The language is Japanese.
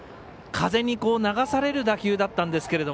風に流される打球だったんですが。